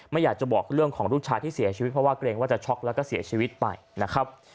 อยากจะบอกเรื่องของลูกชายที่เสียชีวิตเพราะว่าเกรงว่าจะช็อกแล้วก็เสียชีวิตไปนะครับ